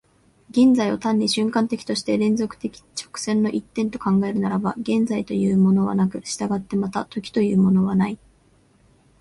現在を単に瞬間的として連続的直線の一点と考えるならば、現在というものはなく、従ってまた時というものはない。